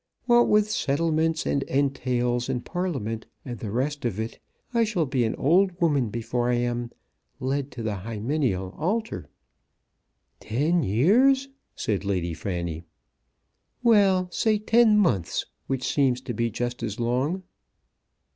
What with settlements, and entails, and Parliament, and the rest of it, I shall be an old woman before I am, led to the hymeneal altar." "Ten years!" said Lady Fanny. "Well, say ten months, which seems to be just as long."